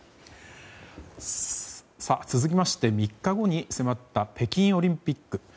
続きまして３日後に迫った北京オリンピック。